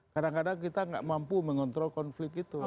kadang kadang kita nggak mampu mengontrol konflik itu